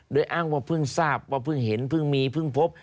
โดยอ้างว่าเพิ่งทราบว่าเพิ่งเห็นเพิ่งมีเพิ่งพบ